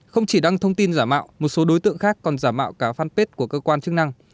không chỉ đăng thông tin giả mạo một số đối tượng khác còn giả mạo cả fanpage của cơ quan chức năng